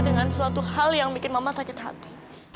dengan suatu hal yang bikin mama sakit hati